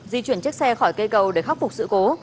di chuyển chiếc xe khỏi cây cầu để khắc phục sự cố